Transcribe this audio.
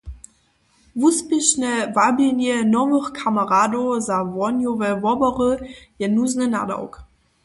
Wuspěšne wabjenje nowych kameradow za wohnjowe wobory je nuzny nadawk.